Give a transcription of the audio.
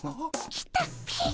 来たっピ。